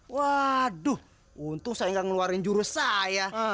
wah aduh untung saya gak ngeluarin jurus saya